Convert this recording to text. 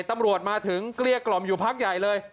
ตำรวจมาถึงเกลี้ยกล่อมอยู่พักใหญ่เลย